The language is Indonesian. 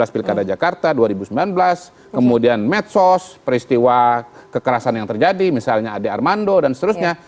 pilkada jakarta dua ribu sembilan belas kemudian medsos peristiwa kekerasan yang terjadi misalnya ade armando dan seterusnya